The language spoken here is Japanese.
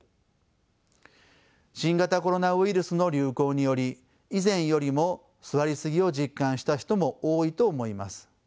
新型コロナウイルスの流行により以前よりも座りすぎを実感した人も多いと思います。